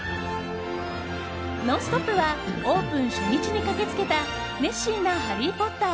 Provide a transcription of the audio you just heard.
「ノンストップ！」はオープン初日に駆け付けた熱心な「ハリー・ポッター」